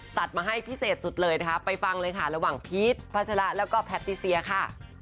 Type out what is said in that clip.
มาให้พิเศษสุดเลยนะคะไปฟังเลยค่ะระหว่างพีชพัชระแล้วก็แพทติเซียค่ะ